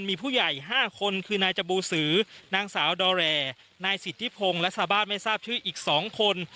มีผู้ใหญ่๕คนคือนายจบูสือนางสาวดอแรนายสิทธิพงศ์และชาวบ้านไม่ทราบชื่ออีก๒คน